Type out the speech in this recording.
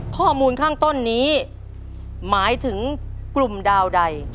ข้อมูลข้างต้นนี้หมายถึงกลุ่มดาวใด